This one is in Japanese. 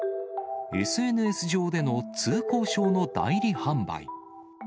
ＳＮＳ上での通行証の代理販売。